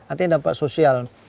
artinya dampak sosial